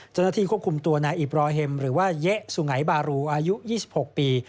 เจ้าหน้าที่ควบคุมตัวนายอิบราเฮมหรือว่าเยะสุไงบารูอายุ๒๖ปี